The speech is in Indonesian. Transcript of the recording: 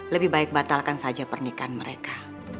lebih baik batalkan saja pernikahan mereka